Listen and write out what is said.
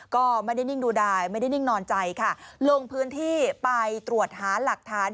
ก็ไม่ได้นิ่งดูดายไม่ได้นิ่งนอนใจค่ะลงพื้นที่ไปตรวจหาหลักฐาน